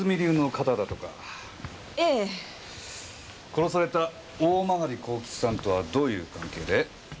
殺された大曲幸吉さんとはどういうご関係で？